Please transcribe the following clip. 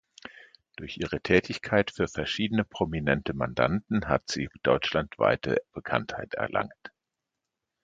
Durch ihre Tätigkeit für verschiedene prominente Mandanten hat sie deutschlandweite Bekanntheit erlangt.